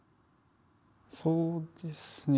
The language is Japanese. そうですね。